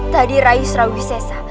tadi raih sarawis sesa